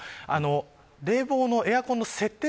冷房のエアコンの設定